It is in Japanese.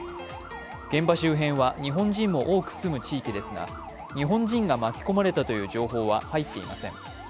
現場周辺は日本人も多く住む地域ですが、日本人が巻き込まれたという情報は入っていません。